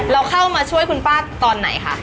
เราเข้ามาช่วยคุณป้าตอนไหนคะ